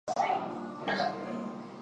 日本则觊觎吞并朝鲜。